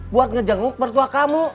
buat ngejenguk bertua kamu